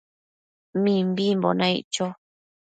Mimbimbo naic cho